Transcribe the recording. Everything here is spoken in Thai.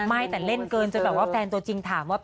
ไม่แต่เล่นเกินจนแบบว่าแฟนตัวจริงถามว่า